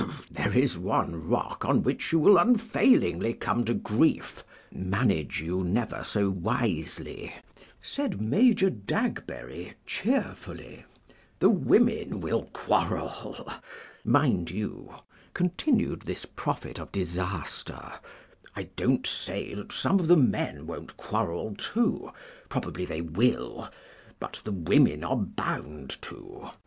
"There is one rock on which you will unfailingly come to grief, manage you never so wisely," said Major Dagberry, cheerfully; "the women will quarrel. Mind you," continued this prophet of disaster, "I don't say that some of the men won't quarrel too, probably they will; but the women are bound to.